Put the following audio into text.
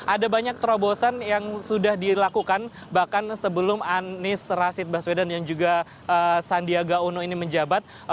ada banyak terobosan yang sudah dilakukan bahkan sebelum anies rashid baswedan yang juga sandiaga uno ini menjabat